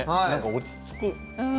落ち着く。